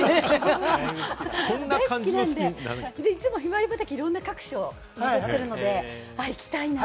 大好きなので、いつもひまわり畑、いろんな各所を巡っているので行きたいなって。